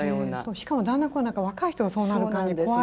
しかもだんだん若い人がそうなる感じで怖いですね